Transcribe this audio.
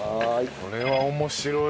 これは面白い。